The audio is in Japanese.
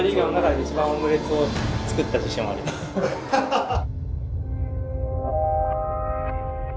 ハハハハ。